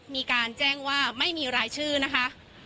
มีการแจ้งว่าไม่มีรายชื่อนะคะ